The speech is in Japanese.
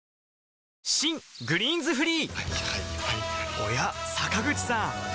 おや坂口さん